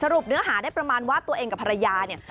รุปเนื้อหาได้ประมาณว่าตัวเองกับภรรยาเนี่ย